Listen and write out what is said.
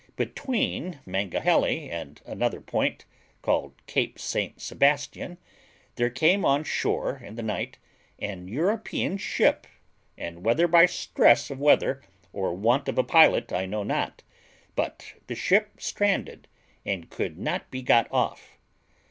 Between Mangahelly and another point, called Cape St Sebastian, there came on shore in the night an European ship, and whether by stress of weather or want of a pilot I know not, but the ship stranded and could not be got off.